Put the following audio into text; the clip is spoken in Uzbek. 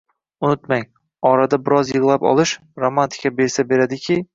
Unutmang - orada biroz yig‘lab olish romantika bersa beradiki